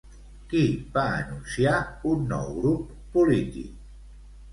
Qui va anunciar un nou grup polític?